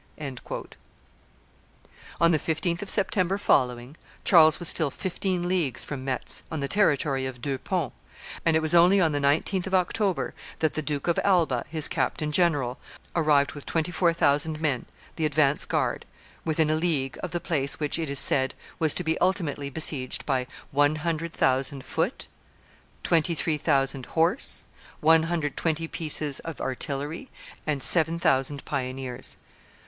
[Illustration: Guise at Metz 244] On the 15th of September following, Charles was still fifteen leagues from Metz, on the territory of Deux Ponts, and it was only on the 19th of October that the Duke of Alba, his captain general, arrived with twenty four thousand men, the advance guard, within a league of the place which, it it is said, was to be ultimately besieged by one hundred thousand foot, twenty three thousand horse, one hundred and twenty pieces of artillery, and seven thousand pioneers.